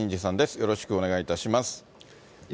よろしくお願いします。